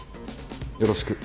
よろしく。